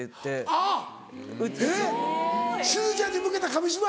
あっえっしずちゃんに向けた紙芝居？